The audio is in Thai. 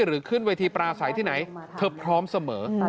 หรือขึ้นเวทีปราศัยที่ไหนเธอพร้อมเสมอ